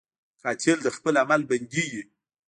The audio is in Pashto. قاتل د خپل عمل بندي وي